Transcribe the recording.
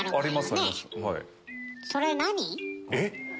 えっ⁉